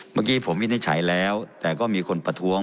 เมื่อกี้ผมวินิจฉัยแล้วแต่ก็มีคนประท้วง